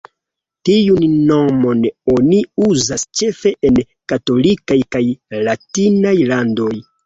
Tiun nomon oni uzas ĉefe en katolikaj kaj latinaj landoj.